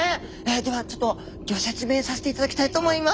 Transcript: ではちょっとギョ説明させていただきたいと思います。